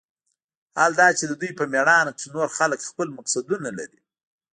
حال دا چې د دوى په مېړانه کښې نور خلق خپل مقصدونه لري.